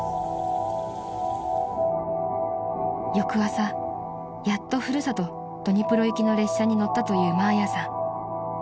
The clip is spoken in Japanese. ［翌朝やっと古里ドニプロ行きの列車に乗ったというマーヤさん］